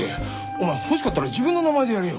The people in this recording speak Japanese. お前欲しかったら自分の名前でやれよ。